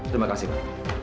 terima kasih pak